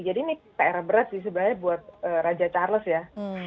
jadi ini pr berat sih sebenarnya buat raja charles ya